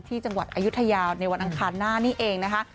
จังหวัดอายุทยาในวันอังคารหน้านี่เองนะคะ